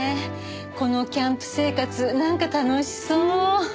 このキャンプ生活なんか楽しそう。